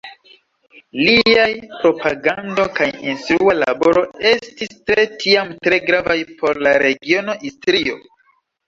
Liaj propagando kaj instrua laboro estis de tiam tre gravaj por la regiono Istrio.